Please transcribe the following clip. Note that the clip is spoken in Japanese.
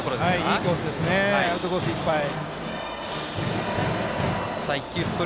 いいコースですねアウトコースいっぱい。